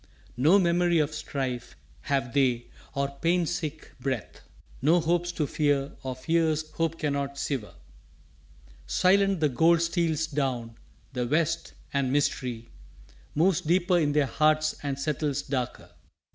No memory of strife Have they, or pain sick breath. No hopes to fear or fears hope cannot sever. Silent the gold steals down The west, and mystery Moves deeper in their hearts and settles darker.